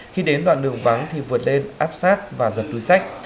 khi đến đoạn đường vắng thì vượt lên áp sát và giật túi sách